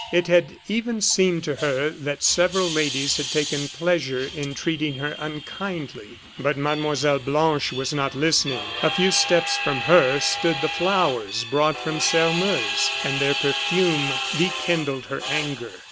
It had even seemed to her that several ladies had taken pleasure in treating her unkindly. But Mlle. Blanche was not listening. A few steps from her stood the flowers brought from Sairmeuse; and their perfume rekindled her anger.